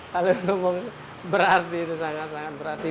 kalau ngomong berarti itu sangat sangat berarti